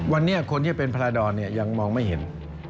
วันนี้คนที่เป็นพลาดรยังมองไม่เห็น